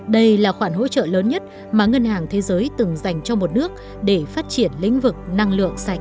đây là khoản hỗ trợ lớn nhất mà ngân hàng thế giới từng dành cho một nước để phát triển lĩnh vực năng lượng sạch